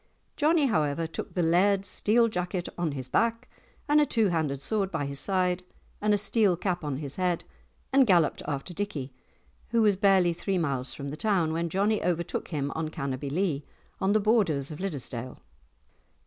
Johnie, however, took the Laird's steel jacket on his back, and a two handed sword by his side, and a steel cap on his head, and galloped after Dickie, who was barely three miles from the town when Johnie overtook him on Cannobie Lee, on the borders of Liddesdale.